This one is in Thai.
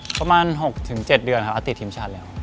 ประมาณ๖๗เดือนครับอาติดทีมชาติแล้ว